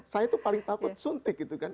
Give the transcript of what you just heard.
saya itu paling takut suntik